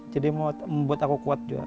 jadi mau membuat aku kuat juga